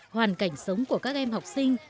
hoàn cảnh sống của các em học sinh